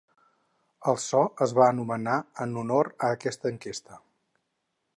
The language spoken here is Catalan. El so es va anomenar en honor a aquesta enquesta.